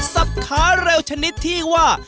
สัตว์ค้าเร็วชนิดที่ว่า